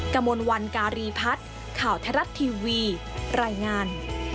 กระมวลวันการีพัฒน์ข่าวไทยรัฐทีวีรายงาน